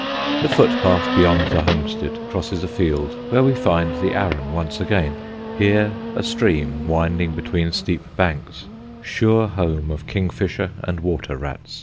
The footpath beyond the homestead crosses a field where we find the Arun once again here a stream winding between steep banks, sure home of kingfisher and water rats.